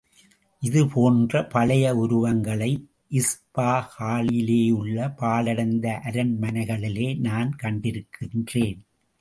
இது போன்ற பழைய உருவங்களை, இஸ்பாஹாளிலேயுள்ள பாழடைந்த அரண்மனைகளிலே நான் கண்டிருக்கிறேன்.